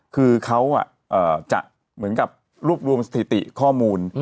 คือเขาจะเหมือนกับรวบรวมสถิติข้อมูล